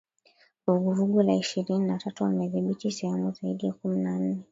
Vuguvugu la Ishirini na tatu wamedhibithi sehemu zaidi ya kumi na nne